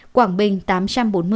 quảng bình tám trăm bốn mươi